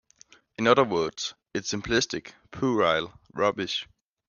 In other words, it's simplistic, puerile rubbish.